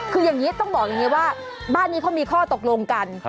คืออย่างนี้ต้องบอกอย่างนี้ว่าบ้านนี้เขามีข้อตกลงกัน